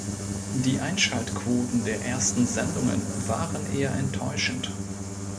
Die Einschaltquoten der ersten Sendungen waren eher enttäuschend.